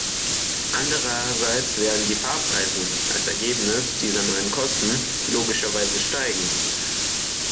Andererseits werden die Fahrpreise, als Ergebnis dieser neuen Kosten, logischerweise steigen.